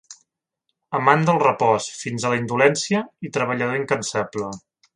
Amant del repòs, fins a la indolència, i treballador incansable.